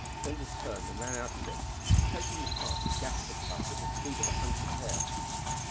Flinders turned and ran out again, taking the path to Gashford's hut with the speed of a hunted hare.